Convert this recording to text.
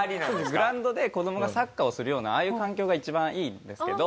グラウンドで子供がサッカーをするようなああいう環境が一番いいんですけど。